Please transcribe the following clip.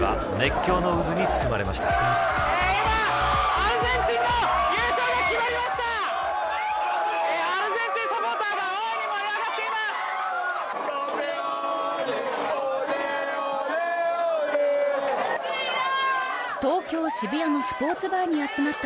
今、アルゼンチンの優勝が決まりました。